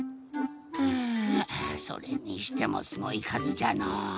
はぁそれにしてもすごいかずじゃのう。